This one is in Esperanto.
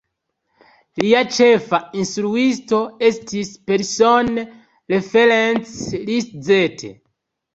Lia ĉefa instruisto estis persone Ferenc Liszt.